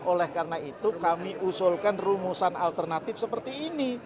oleh karena itu kami usulkan rumusan alternatif seperti ini